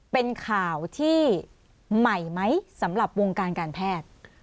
เป็นข่าวที่ใหม่ไหมสำหรับวงการการแพทย์